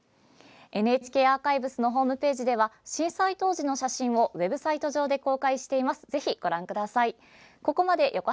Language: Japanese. ＮＨＫアーカイブスのホームページでは震災当時の写真をウェブサイト上で公開しています。